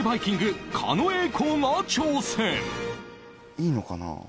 いいのかな？